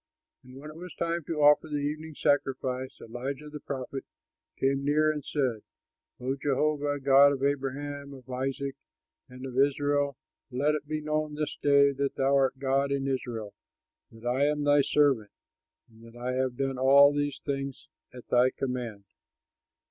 When it was time to offer the evening sacrifice, Elijah the prophet came near and said, "O Jehovah, God of Abraham, of Isaac, and of Israel, let it be known this day that thou art God in Israel, that I am thy servant, and that I have done all these things at thy command.